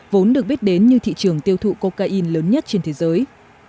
vốn được biết đến như thị trường tiêu thụ cocaine lớn nhất trên thế giới